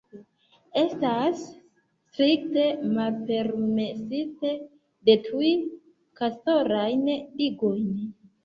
Estas strikte malpermesite detrui kastorajn digojn.